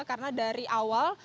karena dari awal